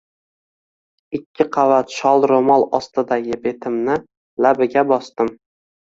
Ikki qavat shol roʼmol ostidagi betimni labiga bosdim!